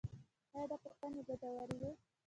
ایا دا پوښتنې ګټورې وې؟